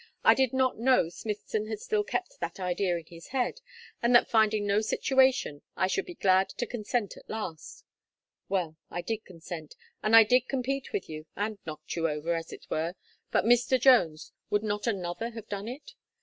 I did not know Smithson had still kept that idea in his head, and that finding no situation I should be glad to consent at last. Well, I did consent, and I did compete with you, and knocked you over, as it were, but Mr. Jones, would not another have done it?